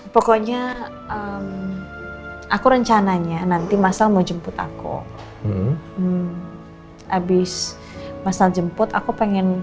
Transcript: pokoknya aku rencananya nanti masalah mau jemput aku habis masalah jemput aku pengen